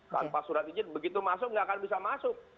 tanpa surat izin begitu masuk nggak akan bisa masuk